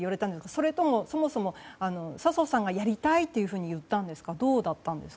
それとも、そもそも笹生さんがやりたいというふうに言ったんですか？